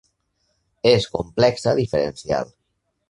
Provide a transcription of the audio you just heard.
és complexa diferencial.